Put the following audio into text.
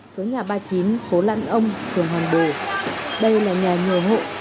số nhà ba mươi chín phố lặn ông phường hoàn bồ đây là nhà nhiều hộ